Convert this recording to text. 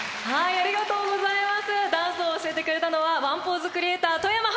ありがとうございます。